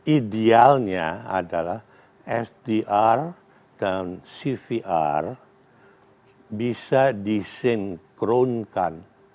idealnya adalah fdr dan cvr bisa disinkronkan